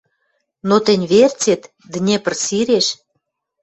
Но тӹнь верцет Днепр сиреш